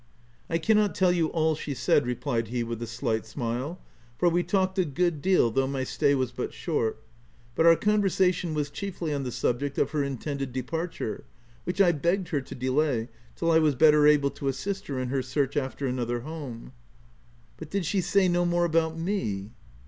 " I cannot tell you all she said," replied he with a slight smile, "for we talked a good deal, though my stay was but short ; but our con versation was chiefly on the subject of her intended departure, which I begged her to delay till I was better able to assist her in her search after another home/' " But did she say no more about me